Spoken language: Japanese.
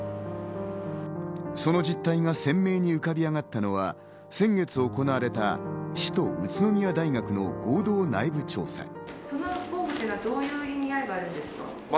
その実態が鮮明に浮かび上がったのが、先月行われた、市と宇都宮大学の合同内部調査。